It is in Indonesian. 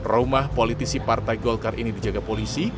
rumah politisi partai golkar ini dijaga polisi